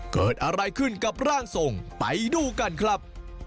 เกิดอะไรขึ้นกับร่างทรงไปดูกันครับ